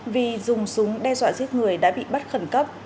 vì dùng súng đe dọa giết người đã bị bắt khẩn cấp